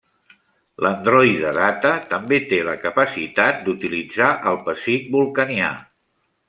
L'androide Data també té la capacitat d'utilitzar el pessic vulcanià.